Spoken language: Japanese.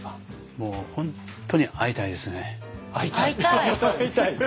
もう本当に会いたいですね。